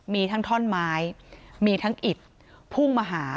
มีทั้งท่อนไม้มีทั้งอิดพุ่งมาหา